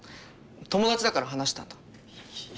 友達だから話したんだ。